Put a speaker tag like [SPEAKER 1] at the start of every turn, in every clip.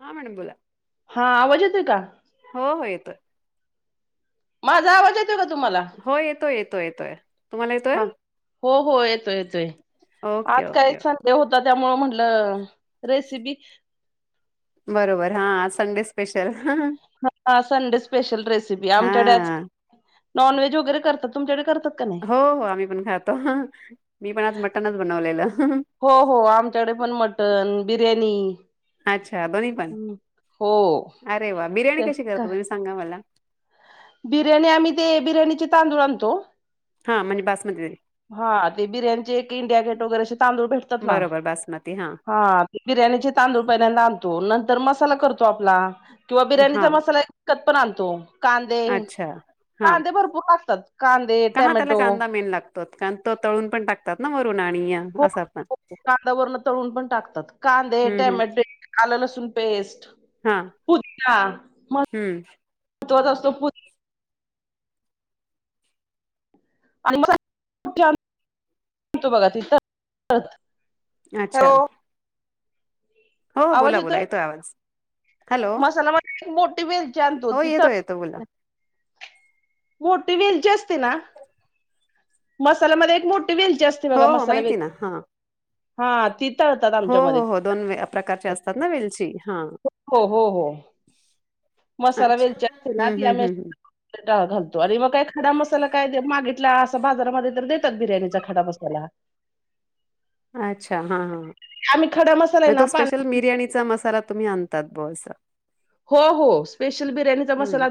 [SPEAKER 1] हा मॅडम बोला.
[SPEAKER 2] ह आवाज येतोय का.
[SPEAKER 1] हो हो येतोय
[SPEAKER 2] माझा आवाज ये
[SPEAKER 1] हो येतोय येतोय येतोय तुम्हाला
[SPEAKER 2] हा
[SPEAKER 1] येतोय.
[SPEAKER 2] हो हो येतोय येतोय.
[SPEAKER 1] ओके
[SPEAKER 2] आज काही
[SPEAKER 1] ओके
[SPEAKER 2] संडे हो त त्यामुळ म्हंटलं रेसिपी.
[SPEAKER 1] बरोबर हा संडे स्पेशल.
[SPEAKER 2] हा संडे स्पेशल रेसिपी
[SPEAKER 1] हा
[SPEAKER 2] आमच्याकडे आज. नॉनव्हेज वगैे करतात तुमच्याकडे कर
[SPEAKER 1] हो आम्ही पण खातो मी पण आज मटनच बनवलेलं.
[SPEAKER 2] हो हो आमच्याकडे पण मटण. बिर्याणी.
[SPEAKER 1] अच्छा दोन्ही पण
[SPEAKER 2] हम्म, हो
[SPEAKER 1] अरे वा बिर्याणी
[SPEAKER 2] ते
[SPEAKER 1] कशी करतो
[SPEAKER 2] का
[SPEAKER 1] तुम्ही सांगा मला
[SPEAKER 2] बिर्याणी आम्ही दे बिर्याणीची तांदूळ आणतो
[SPEAKER 1] हा म्हणे बासमती
[SPEAKER 2] हा ते बिर्याणीचे एक इंडिया गेट वगैरे तांदूळ भेटतात ना
[SPEAKER 1] बरोबर बासमती
[SPEAKER 2] हा ते बिर्याणीचे तांदूळ पहिल्या आणतो तर मसाला करतो आपला किंवा
[SPEAKER 1] हा
[SPEAKER 2] बिर्याणीचा मसाला पण आणतो कांदे
[SPEAKER 1] अच्छा हा
[SPEAKER 2] कांदे भरपूर असतात कांदे
[SPEAKER 1] का हा त्याला
[SPEAKER 2] टमॅटो
[SPEAKER 1] कांदा मेन लागतो तो तळून पण टकतात ना वरून आणि या,
[SPEAKER 2] हो
[SPEAKER 1] असा पण
[SPEAKER 2] हो कांदा्या वन तळून पण टाकतात कांदे
[SPEAKER 1] हम्म हम्म
[SPEAKER 2] टॅमॅटे आलं लसूण पेस्ट
[SPEAKER 1] हा
[SPEAKER 2] पुदया
[SPEAKER 1] हम्म
[SPEAKER 2] असतो आणि मग [unintelligible]
[SPEAKER 1] अच्छा हो बोला बोला येतोय आवाज हॅलो
[SPEAKER 2] मसालामध्ये एक मोठी वेलची आणतो
[SPEAKER 1] हो
[SPEAKER 2] ति
[SPEAKER 1] येतो येतो बोला
[SPEAKER 2] मोठी वेलची असते ना मसाल्यामध्ये एक मोठी वेल असते
[SPEAKER 1] हो
[SPEAKER 2] बघा
[SPEAKER 1] हो
[SPEAKER 2] मसाला वेल
[SPEAKER 1] माहिती ना हां.
[SPEAKER 2] हा ति
[SPEAKER 1] हो हो हो दोन प्रकारचे असतात ना वेलची हां.
[SPEAKER 2] हो हो हो हो मसाला
[SPEAKER 1] अच्छा.
[SPEAKER 2] वेलची
[SPEAKER 1] हं,
[SPEAKER 2] तेलात या
[SPEAKER 1] हं,
[SPEAKER 2] [inaudible]
[SPEAKER 1] हं, हं.
[SPEAKER 2] घालतो अरे मग काय खडा मसाला ला काय मागितलं अस बाजारामध्ये तर देतात बिर्याणीचा खडा मसाला
[SPEAKER 1] अच्छा हा ह
[SPEAKER 2] आम्ही खडा मसाला
[SPEAKER 1] [inaudible] मग
[SPEAKER 2] आहे ना
[SPEAKER 1] तो
[SPEAKER 2] पा
[SPEAKER 1] स्पेशल बिर्याणीचा मसाला तुम्ही आणतात बसा
[SPEAKER 2] हो हो स्पेशल बिर्याणीचा
[SPEAKER 1] हं.
[SPEAKER 2] मसाला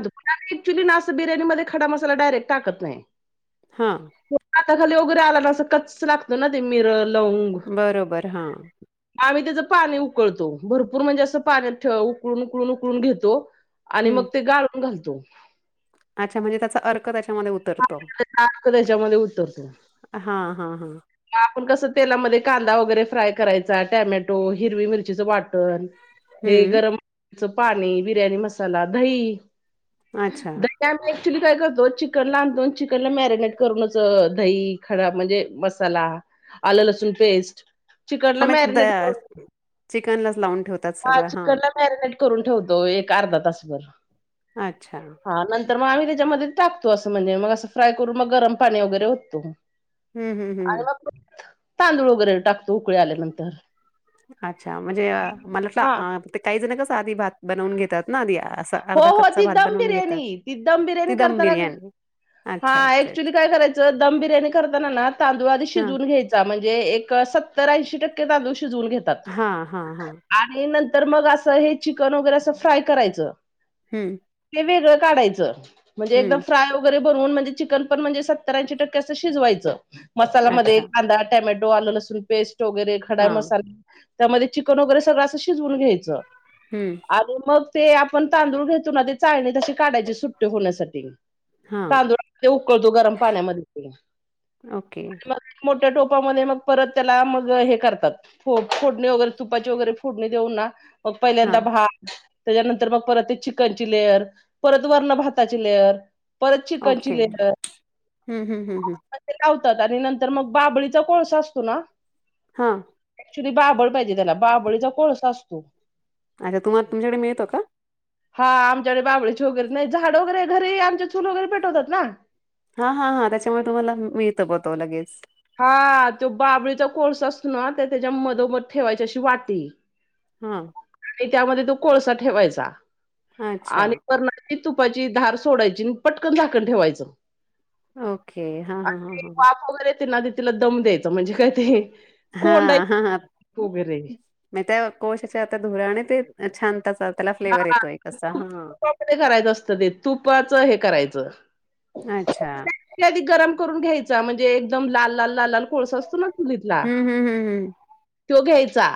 [SPEAKER 2] ऍक्चुअली ना बिर्याणी मध्ये खडा मसाला डायरेक्ट टाकत नाही
[SPEAKER 1] हां.
[SPEAKER 2] आता खाली वगैरे आला ना असं कच लागतं ना ते मिरल
[SPEAKER 1] बरोबर हा
[SPEAKER 2] आम्ही त्याचं पाणी उकळतो भरपूर म्हणजे असं पाण्यात उकळून उकळून उकळू घेतो आणि
[SPEAKER 1] हं.
[SPEAKER 2] मग ते गाळून घालत तो
[SPEAKER 1] अच्छा, म्हणजे त्याचा अर्क त्याच्या
[SPEAKER 2] [unintelligible] त्याच्यामध्ये उतरतो.
[SPEAKER 1] हां, हां, हां.
[SPEAKER 2] आपण कसं तेलामध्ये कांदा वगैरे फ्राय करायचा- टॅमॅटो, हिरवी मिरचीचं वाटण, हे
[SPEAKER 1] हं.
[SPEAKER 2] गरम, च पाणी, बिर्याणी मसाला, दही,
[SPEAKER 1] अच्छा.
[SPEAKER 2] [inaudible] गटा में [unintelligible] ऍक्चुअली काय करतो, चिकनला आणतो आणि चिकनला मॅरीनेट करुणाचं दही, खडा म्हणजे मस मसाला, आल लसूण पेस्ट, चिकनला
[SPEAKER 1] हां, मग द
[SPEAKER 2] मॅरनेट करुन
[SPEAKER 1] चिकनलाच लावून ठेवतात
[SPEAKER 2] हा
[SPEAKER 1] सगळं. हां.
[SPEAKER 2] चिकन ला मॅरिनेट करून ठेवतो, एक अर्धा तासभर.
[SPEAKER 1] अच्छा.
[SPEAKER 2] तर मग आम्ही त्याच्यामध्ये टाकतो, असं म्हणजे मग असं फ्राय करून मग गरम पाणी वगैरे ओततो.
[SPEAKER 1] हं, हं, हं.
[SPEAKER 2] आणि मग तांदूळ वगैरे टाकतो, उकळी आल्यानंतर.
[SPEAKER 1] अच्छा, म्हणजे मला
[SPEAKER 2] हा
[SPEAKER 1] सांग ते अं काही जणी कसं साधी भात बनवून घेतात, ना आधी असा
[SPEAKER 2] हो,
[SPEAKER 1] अर्धा
[SPEAKER 2] हो,
[SPEAKER 1] कच्चा
[SPEAKER 2] ती
[SPEAKER 1] भात
[SPEAKER 2] दम
[SPEAKER 1] बनवून घेतात.
[SPEAKER 2] बिर्याणी, ती दम
[SPEAKER 1] ती
[SPEAKER 2] बिर्याणी
[SPEAKER 1] दम
[SPEAKER 2] करताना ग
[SPEAKER 1] बिर्याणी अच्छा
[SPEAKER 2] हा,
[SPEAKER 1] अच्छा
[SPEAKER 2] ऍक्च्युअली
[SPEAKER 1] अच्छा
[SPEAKER 2] काय करायचं दम बिर्याणी करताना, ना तांदू आधी
[SPEAKER 1] हां
[SPEAKER 2] शिजून घ्यायचं. म्हणजे, एक सत्तर-ऐंशी टक्के तांदूळ शिजवून शिजवून घेतात,
[SPEAKER 1] हां हां हां
[SPEAKER 2] आणि नंतर तर मग असं हे चिकन वगैरे असं फ्राय करायचं.
[SPEAKER 1] हम्म.
[SPEAKER 2] ते वेगळं काढायचं. म्हणजे एकदम
[SPEAKER 1] हम्म
[SPEAKER 2] फ्राय वगैरे बनवून म्हणजे चिकन पण सत्तर-ऐंशी टक्के अस शिजवायच. मसालामध्ये
[SPEAKER 1] अच्छा
[SPEAKER 2] कांदा, टॅमॅटो, हो आलं लसूण पेस्ट. वगैरे खडाई
[SPEAKER 1] हां
[SPEAKER 2] मसाले त्यामध्ये चिकन वगैरे सगळं असं शिजवून घ्यायचं.
[SPEAKER 1] हम्म
[SPEAKER 2] आणि मग ते आपण तांदूळ घेतो ना, चाळणी तशी काढायची सुट्टी होण्यासाठी.
[SPEAKER 1] हां
[SPEAKER 2] तांदूळ उकळतो गरम पाण्यामध्ये
[SPEAKER 1] ओके
[SPEAKER 2] मग. ्या टोपामध्ये मग परत त्याला मग हे करतात फोडणी वगैरे तुपाची वगैरे फोडणी देऊन ना मग
[SPEAKER 1] हां
[SPEAKER 2] पहिल्यांदा भा त्याच्यानंतर मग परत ते चिकनची लेअर परत वर्ण भाताची लेअर. परत
[SPEAKER 1] ओके
[SPEAKER 2] चिकनची लेयर.
[SPEAKER 1] हम्म हम्म हम्म हम्म
[SPEAKER 2] आणि नंतर मग बाबळीचा कोळसा असतो ना.
[SPEAKER 1] हा.
[SPEAKER 2] क्च्युली बाबळ पाहिजे त्याला बाबळीचा कोळसा असतो.
[SPEAKER 1] अच्छा तुम्हाला तुमच्याकडे मिळतो का?
[SPEAKER 2] हा आमच्या आणिडे बाबळेचे वगैरे नाही झाड वगैरे घररी आमच्या चूल वगैरे पेटवतात ना.
[SPEAKER 1] हां हां हां त्याच्यामुळे तुम्हाला मिळतं ब तो लगेच
[SPEAKER 2] हा तो बाबरीचा कोर्स असतो. ना त्याच्या मधोमद ठेवायची अशी वाती.
[SPEAKER 1] हम.
[SPEAKER 2] त्यामध्ये त कोळसा ठेवायचा.
[SPEAKER 1] अच्छा
[SPEAKER 2] आणि पर ी तुपाची धार सोडायची पटकन झाकण ठेवायचं.
[SPEAKER 1] ओके हा हा
[SPEAKER 2] आणि
[SPEAKER 1] हा हा.
[SPEAKER 2] वाफ वगैरे येते ते ना तिला दम द्यायचं म्हणजे काय ते कोंडा
[SPEAKER 1] हां हां हां
[SPEAKER 2] वगरे
[SPEAKER 1] मग त्या कोशाच्या आता धुराने ते छान त्याचा त्याला फ्लेवर येतोय कसा हा.
[SPEAKER 2] खूप करायचं असत ते तुपाच हे करायचं
[SPEAKER 1] अच्छा
[SPEAKER 2] आध गरम करून घ्याय म्हणजे तेे एकदम लाल लाल लाल लाल कोळस असत ना? चुलीतला
[SPEAKER 1] हम्म हम्म हम्म हम्म.
[SPEAKER 2] तो घ्यायचा.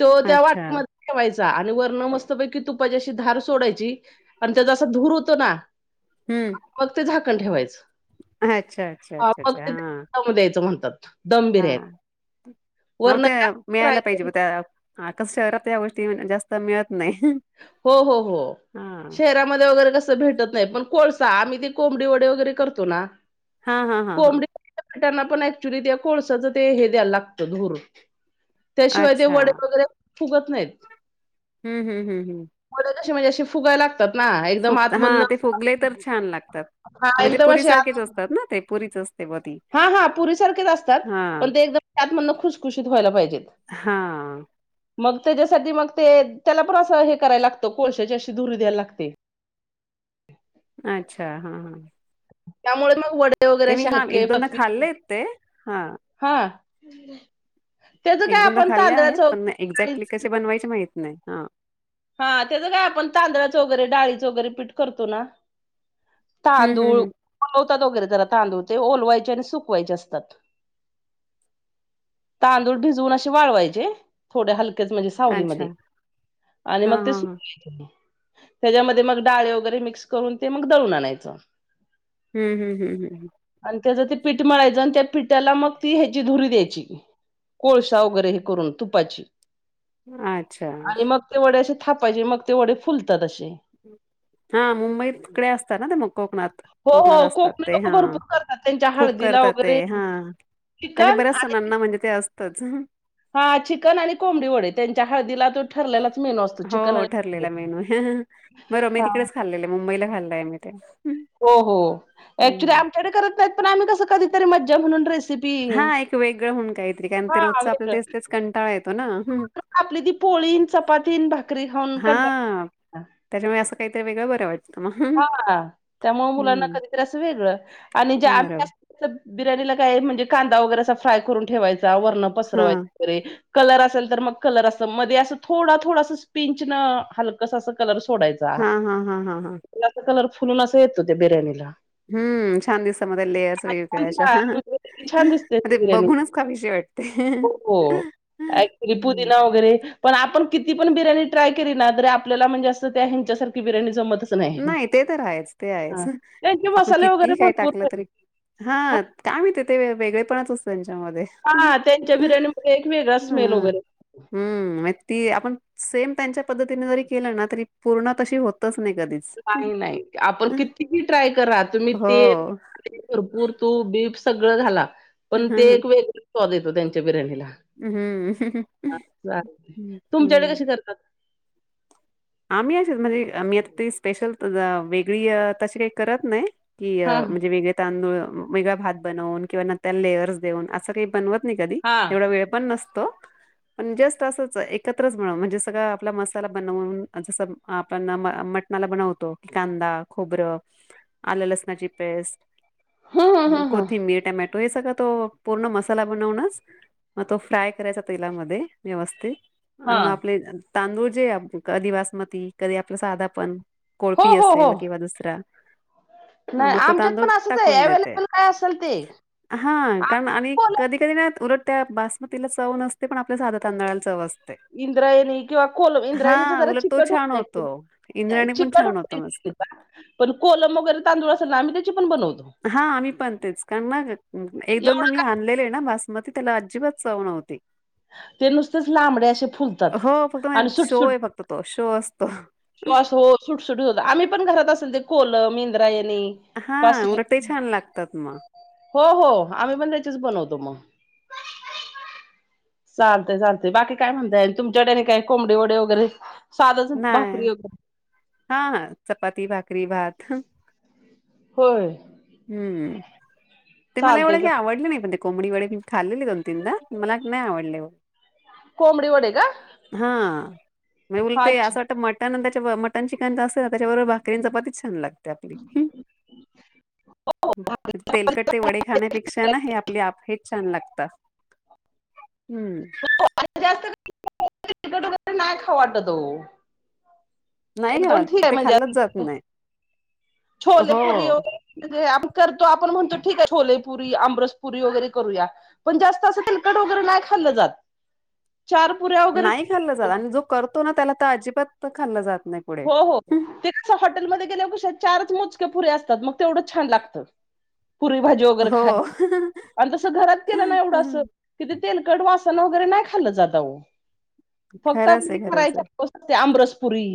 [SPEAKER 2] तो त्या
[SPEAKER 1] अच्छा
[SPEAKER 2] वाटेमध्ये ठेवायचा. आणि वर्ण मस्त प कि तू पाझ्या अशी धार सोडायची आणि त्याचा असा धूर होतो ना.
[SPEAKER 1] हम्म
[SPEAKER 2] मग ते झाकण ठेवायचं. [inaudible]
[SPEAKER 1] अच्छा अच्छा अच्छा अच्छा हा.
[SPEAKER 2] सम द्याचो म्हणतो. [unintelligible]
[SPEAKER 1] हा हव ते
[SPEAKER 2] काय फ्राय
[SPEAKER 1] मिळायला पाहिजे
[SPEAKER 2] केलं
[SPEAKER 1] त्या हका शहरात या गोष्टी जास्त मिळत. नाही
[SPEAKER 2] हो हो हो
[SPEAKER 1] हा
[SPEAKER 2] शरामध्ये वगैरे कस भेटत नाही पण को आम्ही ते कोंबडी वडे वगैरे करतो ना.
[SPEAKER 1] हा हा हा हा.
[SPEAKER 2] कोंबडी पिठांना पण ऍक्च्युली त्या कोळसाच ते हे द्यायला लागतं धूर त्याशिवाय ते
[SPEAKER 1] अच्छा
[SPEAKER 2] वडे वगैरे फुगत नाहीत
[SPEAKER 1] हम्म हम्म हम्म हम्म
[SPEAKER 2] म्हजे फुगे
[SPEAKER 1] फुक हा ते फुगले तर छान लागतात
[SPEAKER 2] हां,
[SPEAKER 1] म्हणजे पुरी सारखेच असतात ना ते पुरीच असत
[SPEAKER 2] हा हा पुरी सारखेच असतात
[SPEAKER 1] हा
[SPEAKER 2] पण ते एकदम त्यात म्हण खुशखुशीत व्हायला पाहिजेत
[SPEAKER 1] हा
[SPEAKER 2] मग त्याच्यासाठी मग ते त्याला पण असं हे करायला लागतं कोळशाची अशी दुरी द्यायला लागते ह
[SPEAKER 1] अच्छा हा हा
[SPEAKER 2] त्यामुळे मग व
[SPEAKER 1] ते
[SPEAKER 2] वगैरे
[SPEAKER 1] मी हा
[SPEAKER 2] शलके
[SPEAKER 1] एक दोनदा
[SPEAKER 2] फी
[SPEAKER 1] खाल्लेत ते हा
[SPEAKER 2] हा हम्
[SPEAKER 1] एक दोनदा खाल्ल्या आहेत पण एक्झॅक्टली कसे बनवायचे माहिती नाही हा
[SPEAKER 2] हा त्याचं काय आपण तांदळाच वगैरे डाळीचं वगैरे पीठ करतो ना
[SPEAKER 1] हम्म हम्म
[SPEAKER 2] तांदूळ
[SPEAKER 1] हम्म.
[SPEAKER 2] बवतात वगैरे त्याला तांदूळ तांदूळ भिजून वळवायचे म्हण सावली
[SPEAKER 1] अच्छा
[SPEAKER 2] आणि
[SPEAKER 1] हा
[SPEAKER 2] मग
[SPEAKER 1] हा
[SPEAKER 2] ते
[SPEAKER 1] हा.
[SPEAKER 2] सुर त्याच्यामध्ये मग डाळे वगैरे मिक्स करून ते मग दळून आणायचं
[SPEAKER 1] हम्म हम्म हम्म हम्मम
[SPEAKER 2] त्याच ते पीठ मळायचं आणि त्या पिठाला मग ती ह्याची धुरी द्यायची कोळसा वगैरे हे करून तुपाची
[SPEAKER 1] अच्छा
[SPEAKER 2] थोडेे ापाचे मग ते वढडे फुलतात असे
[SPEAKER 1] हा मुंबईकडे असतात ना ते मग कोकणात
[SPEAKER 2] हो,
[SPEAKER 1] कोकणात
[SPEAKER 2] हो.
[SPEAKER 1] असतात.
[SPEAKER 2] कोकणी
[SPEAKER 1] ते
[SPEAKER 2] लोकं
[SPEAKER 1] हा
[SPEAKER 2] भरपूर करतात. त्यांच्या
[SPEAKER 1] खूप
[SPEAKER 2] हळदीला
[SPEAKER 1] करतात. ते
[SPEAKER 2] वगैरे
[SPEAKER 1] हा त्यांच्या
[SPEAKER 2] चिकन
[SPEAKER 1] बऱ्याच सणांना म्हणजे ते अस [unintelligible]
[SPEAKER 2] हा चिकन आणि कोंबडी वढ त्यांच्या हळदीला तो ठरलेलाच मेनू असतो
[SPEAKER 1] हो
[SPEAKER 2] चिकन आणि कोंबडी
[SPEAKER 1] ठरलेला
[SPEAKER 2] वडे.
[SPEAKER 1] मेनू बरं मी
[SPEAKER 2] हां.
[SPEAKER 1] तिकडेच खाल्लेलं मुंबईला खाल् [unintelligible]
[SPEAKER 2] हो हो ऍक्चुली आमच्याकडे करत नाहीत पण आम्ही कस कधी [unintelligible]
[SPEAKER 1] हा एक वेगळं होन काहीतरी कारण ते
[SPEAKER 2] हां,
[SPEAKER 1] रोजच आपल्या
[SPEAKER 2] वेगळं.
[SPEAKER 1] दिस तेच कंटाळ येत.
[SPEAKER 2] आपली ती पोळीन चपातीन भाकरी खाऊन
[SPEAKER 1] हा
[SPEAKER 2] कंटाळा
[SPEAKER 1] [unintelligible]
[SPEAKER 2] हा -त्यामुळे मुलांना
[SPEAKER 1] हम्म
[SPEAKER 2] कधीतरी असं वेगळ आणि जे
[SPEAKER 1] बरोबर.
[SPEAKER 2] आम्ही अस बिर्याणीला काय म्हणजे कांदा वगैरे असं फ्राय करून ठेवायचा- त्यावरनं
[SPEAKER 1] हा
[SPEAKER 2] पसरवायचं- कलर असेल तर मग कलर अस मध्ये असं थोडा थोडास स्पिंच न हलकंस अस कलर सोडायचा.
[SPEAKER 1] हा हा हा हा हा.
[SPEAKER 2] कलर फुलून असं येत तो. त्या बिर्याणीला
[SPEAKER 1] हम्म- छान दिसत म ते लेयर्स
[SPEAKER 2] छान
[SPEAKER 1] ते अशा.
[SPEAKER 2] छान छान दिसते
[SPEAKER 1] म
[SPEAKER 2] ती
[SPEAKER 1] ते
[SPEAKER 2] बिर्याणी.
[SPEAKER 1] बघूनच खाविशी वाटते.
[SPEAKER 2] हो, हो. ॲक्चुअली पुदिना वगैरे पण आपण किती पण बिर्याणी ट्राय केली ना तरी आपल्याला म्हणजे असं त्या ह्यांच्यासारखी बिर्याणी जमतच नाही.
[SPEAKER 1] नाही ते तर आहेच. ते आहेच.
[SPEAKER 2] हां. त्यांचे
[SPEAKER 1] आपण
[SPEAKER 2] मसाले वगैरे
[SPEAKER 1] कितीही काही
[SPEAKER 2] भरपूर
[SPEAKER 1] टाकलं तरी, हा काय माहिती ते वेगळे
[SPEAKER 2] हां,
[SPEAKER 1] [unintelligible]
[SPEAKER 2] त्यांच्या बिर्याणीमध्ये एक वेगळा
[SPEAKER 1] ह
[SPEAKER 2] स्मेल वगैरे
[SPEAKER 1] हम्म. मग ती आपण सेम त्यांच्या पद्धतीने जरी केलं ना तरी पूर्ण तशी होतच नाही ग.
[SPEAKER 2] नाही नाही. आपण कितीबी ट्राय करा, तुम्ही
[SPEAKER 1] हो
[SPEAKER 2] तेल भरपूर तूप बीप सगळं घाला. पण ते
[SPEAKER 1] हम्म
[SPEAKER 2] एक वेग तो देतो त्यांच्या बिर्याणीला चालेल तुमच्याकडे
[SPEAKER 1] हम्म
[SPEAKER 2] कशी करतात?
[SPEAKER 1] आम्ही अशीच. म्हणजे मी आ ती स्पेशल वेगळी तशी करत नाही- कि
[SPEAKER 2] हां, हां.
[SPEAKER 1] म्हणजे वेगळे तांदूळ वेगळा भात बनवून किंवा मग त्याला लेअर्स देऊन असं काही बनवत- नाही कधी.
[SPEAKER 2] हां.
[SPEAKER 1] एवढा वेळ पण नस- तो पण जस्ट असच एकत्रच बन, म्हणजे सगळं आपला मसाला बनवून जसं आपण मटणाला बनवतो, की कांदा, खोबरं, आलं लसणाची पेस्ट
[SPEAKER 2] हं, हं, हं, हं.
[SPEAKER 1] कोथिंबीर टमॅट रुई सका तो पूर्ण मसाला बनवूनच, मग तो फ्राय करायचा तेलामध्ये व्यवस्थित. - आणि म
[SPEAKER 2] हां.
[SPEAKER 1] आपले इथं- तांदूळचेे जे आधि वा [unintelligible] मती कधी आपला साधा पण.
[SPEAKER 2] हो,
[SPEAKER 1] कोळपी
[SPEAKER 2] हो, हो.
[SPEAKER 1] असेल किंवा दुसरा- ह
[SPEAKER 2] नाही
[SPEAKER 1] मग तो
[SPEAKER 2] आमच्यात
[SPEAKER 1] तांदूळ
[SPEAKER 2] पण असंच आहे.
[SPEAKER 1] टाकून देते.
[SPEAKER 2] अवेलेबल काय असेल ते.
[SPEAKER 1] हा -कारण
[SPEAKER 2] आमच्यात
[SPEAKER 1] आणि
[SPEAKER 2] कोलम
[SPEAKER 1] कधी कधी ना उलट- त्या बासमतीला चव नसते. पण आपल्या साध्या तांदळाला चव असते.
[SPEAKER 2] इंद्रायणी किंवा कोल इंद्रायणीच
[SPEAKER 1] हा
[SPEAKER 2] जरा
[SPEAKER 1] उलट
[SPEAKER 2] चीक
[SPEAKER 1] तो छान होतो.
[SPEAKER 2] -
[SPEAKER 1] इंद्राणी पण
[SPEAKER 2] चट
[SPEAKER 1] छान होतो मस्त
[SPEAKER 2] होत पण कोलम वगैरे तांदूळ असेल ना म ते
[SPEAKER 1] हा, आम्ही पण तेच कारण ना एक
[SPEAKER 2] एवढं
[SPEAKER 1] दोन दा मी आणलेले ना बस म ती त्याला अजिबात चाव नव्हती.
[SPEAKER 2] ते नुसतेच लांबडे असे फुलतात
[SPEAKER 1] हो फक्त
[SPEAKER 2] आणि
[SPEAKER 1] म्हणजे शो
[SPEAKER 2] सुटसुट
[SPEAKER 1] आहे फक्त तो [unintelligible]
[SPEAKER 2] तो असं हो सुटसुटी होत. आम्ही पण घरात असेल ते कोलम, इंद्रायणी.
[SPEAKER 1] हा
[SPEAKER 2] आणि
[SPEAKER 1] उलट ते छान लागतात मग
[SPEAKER 2] पा हो हो आम्ही पण त्याचेच बनवतो मग. चालतय चालतय बाकी काय म्हणताय, तुमच्या कडे काय कोंबडी वडे वगैरे? साधच
[SPEAKER 1] नाही
[SPEAKER 2] भाकरी वगैरे
[SPEAKER 1] हा हा चपाती, भाकरी, भात.
[SPEAKER 2] होय.
[SPEAKER 1] हम्. ते मला एवढं
[SPEAKER 2] चालतय
[SPEAKER 1] हे आवडले नाही पण ते. कोंबडी वेडे मी खाल्लेली दोन तीन दा मला नाही आवडले.
[SPEAKER 2] कोबडी वडे का?
[SPEAKER 1] हा ते
[SPEAKER 2] अच्छा
[SPEAKER 1] असं [unintelligible] तेव्हा मटन चि त्यांच अस त्याच्याबरोबर भाकरीं चपातीच छान लागत्या, आपली तेलकट ते वडे खाण्यापेक्षा ना हे आपली आपे च छान लागते. ता. हम्म.
[SPEAKER 2] [unintelligible] नाही खाऊ वाटत ओ.
[SPEAKER 1] नाही
[SPEAKER 2] एक
[SPEAKER 1] का
[SPEAKER 2] दोन ठीक आहे.
[SPEAKER 1] ते खाल्लंच जात
[SPEAKER 2] म्हणजे
[SPEAKER 1] नाही हो.
[SPEAKER 2] छोलेपुरीर [unintelligible] आपण करतो, आपण म्हणतो, ठीक आहे. छोलेपुरी, आमबसपुरी, वगैरे करूया पण जास्त असं तिलकट वगैरे नाही खाल्लं जात. चार पुऱ्या वगैरे
[SPEAKER 1] नाही खाल्लं जात आणि जो करतो ना त्याला ताजी पत्त खाल्लं जात नाही पुढे.
[SPEAKER 2] हो हो, ते कस हॉटेलमध्ये गेले कश्या चारच मोजक्या पुऱ्या असतात मग तेवढं छान लागत. पुरी भाजी वगैरे
[SPEAKER 1] हो.
[SPEAKER 2] खाय आणि तसं घरात केलं ना एवढं अस किती तेलकट वा वगैरे नाही खाल्लं जात अहो. फक्त
[SPEAKER 1] खरंच आहे खरंच आहे.
[SPEAKER 2] करायच [unintelligible] आमरसपुरी.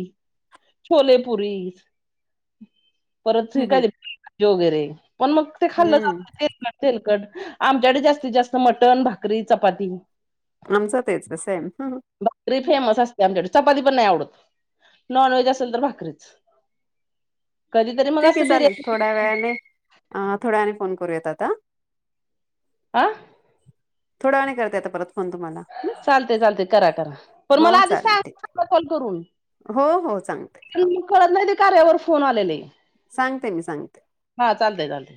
[SPEAKER 2] छोलेपुरी. परत
[SPEAKER 1] हम्म हम्म
[SPEAKER 2] [unintelligible] योगरे. पण मग ते खाल्लं
[SPEAKER 1] हम्म.
[SPEAKER 2] जात तेलकट तेलकट. आमच्याकडे जास्ती जास्त मटण, भाकरी, चपाती.
[SPEAKER 1] आमचं तेच सेम ह
[SPEAKER 2] भाकरी फेमस असते आमच्याकडे चपाती पण नाही आवडत. नॉन व्हेज असेल तर भाकरीच. कधीतरी मग
[SPEAKER 1] ठीक आहे
[SPEAKER 2] असं
[SPEAKER 1] चालेल थोड्या
[SPEAKER 2] बिर्याणी
[SPEAKER 1] वेळाने थोड्याने फोन करूयात आता
[SPEAKER 2] आह
[SPEAKER 1] थोडा वेळाने करते आता परत. फोन तुम्हाला. हं?
[SPEAKER 2] चालते चालते करा करा पण मला
[SPEAKER 1] हो
[SPEAKER 2] आधी
[SPEAKER 1] चालेल ठीक.
[SPEAKER 2] सांगा कॉल करून
[SPEAKER 1] हो हो सांगते. हा,
[SPEAKER 2] मग कळत नाही. कार्यावर फोन आलेले
[SPEAKER 1] सांगते मी सांगते.
[SPEAKER 2] हा चालतय चालतय